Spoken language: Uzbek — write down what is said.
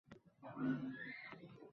o‘yin-kulgu